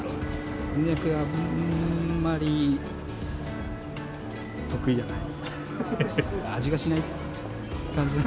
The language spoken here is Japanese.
こんにゃくは、うーん、あんまり、得意じゃない。